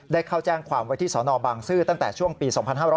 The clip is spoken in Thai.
ได้เข้าแจ้งความไว้ที่สนบางซื่อตั้งแต่ช่วงปี๒๕๕๙